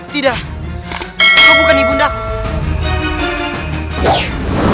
tidak kau bukan ibundaku